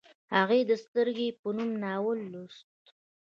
هغې د سترګې په نوم ناول لوست